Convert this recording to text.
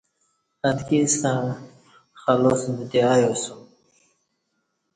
اتکِی ستݩع خلاس بوتے ا یاسم